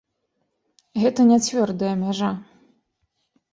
Гэта не цвёрдая мяжа.